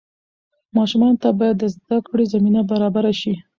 ماشومانو ته باید د زدهکړې زمینه برابره شي.